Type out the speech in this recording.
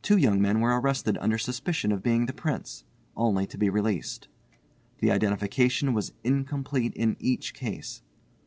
Two young men were arrested under suspicion of being the Prince, only to be released. The identification was incomplete in each case.